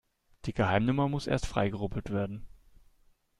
Die Geheimnummer muss erst freigerubbelt werden.